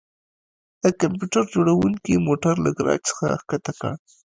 د کمپیوټر جوړونکي موټر له ګراج څخه ښکته کړ